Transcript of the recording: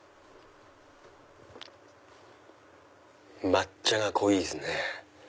抹茶が濃いですね。